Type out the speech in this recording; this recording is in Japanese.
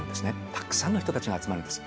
たくさんの人たちが集まるんです。